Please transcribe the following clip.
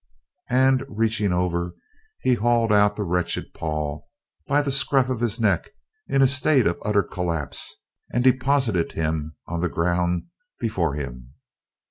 And, reaching over, he hauled out the wretched Paul by the scruff of his neck in a state of utter collapse, and deposited him on the ground before him.